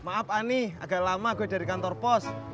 maaf ani agak lama gue dari kantor pos